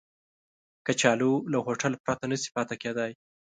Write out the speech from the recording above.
کچالو له هوټل پرته نشي پاتې کېدای